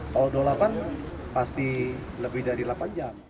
kalau dua puluh delapan pasti lebih dari delapan jam